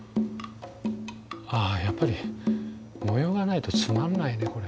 あやっぱり模様がないとつまんないねこれ。